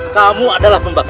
kamu adalah pembakarnya